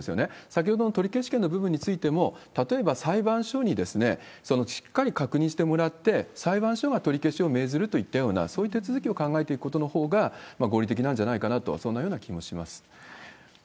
先ほどの取り消し権の部分についても、例えば裁判所にしっかり確認してもらって、裁判所が取り消しを命ずるといったような、そういった手続きを考えていくことのほうが合理的なんじゃないかなと、そんなような気もします。